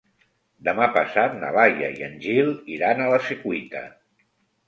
Demà passat na Laia i en Gil iran a la Secuita.